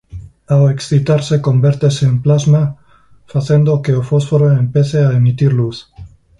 Ao excitarse convertese en plasma facendo que o fósforo empece a emitir luz.